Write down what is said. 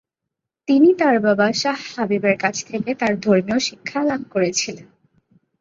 তিনি তাঁর বাবা শাহ হাবিবের কাছ থেকে তাঁর ধর্মীয় শিক্ষা লাভ করেছিলেন।